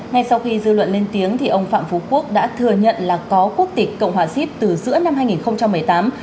ngay sau khi dư luận lên tiếng thì ông phạm phú quốc đã thừa nhận là có quốc tịch cộng hòa xíp từ giữa năm hai nghìn một mươi tám